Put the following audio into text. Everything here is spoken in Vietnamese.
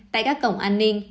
tại các cổng an ninh